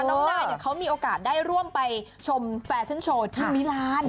น้องนายเขามีโอกาสได้ร่วมไปชมแฟชั่นโชว์ที่มิลาน